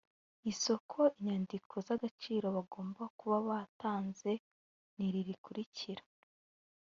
isoko inyandiko z’agaciro bagomba kuba batanze ni iri rikurikira